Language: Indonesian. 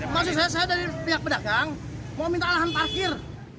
maksud saya dari pihak pedagang mau minta lahan parkir